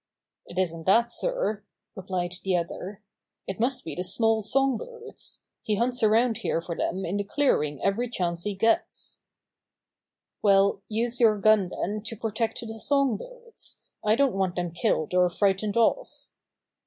"It isn't that, sir," replied the other. "It must be the small song birds. He hunts around here for them in the clearing every chance he gets." 88 34 Bobby Gray Squirrel's Adventures "Well, use your gun then to protect the song birds. I don't want them killed or frightened off."